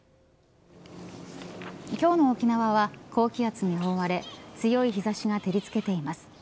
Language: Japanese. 今日の沖縄は高気圧に覆われ強い日差しが照り付けています。